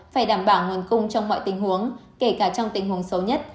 phải đảm bảo nguồn cung trong mọi tình huống kể cả trong tình huống xấu nhất